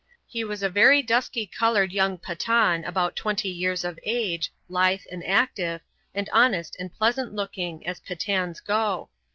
He was a very dusky coloured young Pathan about twenty years of age, lithe and active, and honest and pleasant looking, as Pathans go.